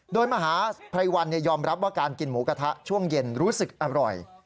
โดยมหาภัยวันยอมรับว่าการกินหมูกระทะช่วงเย็นรู้สึกอร่อย